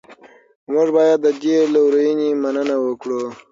موږ باید د دې لورینې مننه وکړو.